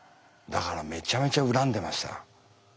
だからめちゃめちゃ恨んでました。